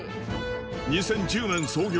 ２０１０年創業。